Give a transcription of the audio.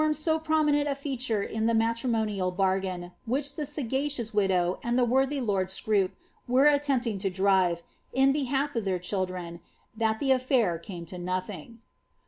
15 fonned so prominent a feature in the matrimonial bargain which the Mgacious widow and the worthy lord Scroop were attempting to drive^ in behalf of their children, that the aflair came to nothing.